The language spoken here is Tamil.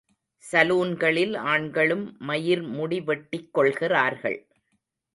சலூன்களில் ஆண்களும் மயிர்முடி வெட்டிக் கொள்கிறார்கள்.